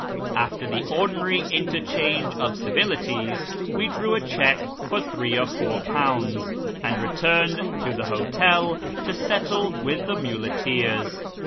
After the ordinary interchange of civilities, we drew a cheque for three or four pounds, and returned to the hotel to settle with the muleteers.